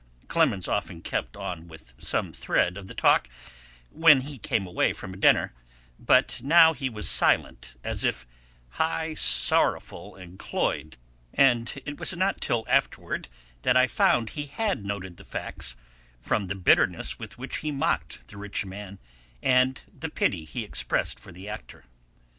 Clemens often kept on with some thread of the talk when we came away from a dinner, but now he was silent, as if "high sorrowful and cloyed"; and it was not till well afterward that I found he had noted the facts from the bitterness with which he mocked the rich man, and the pity he expressed for the actor.